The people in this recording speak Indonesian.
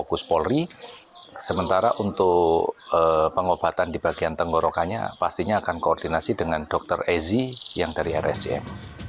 sementara untuk pengobatan di bagian tenggorokannya pastinya akan koordinasi dengan dokter ezi yang dari rsjm